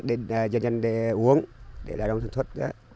để dân dân để uống để là đồng thuận thuật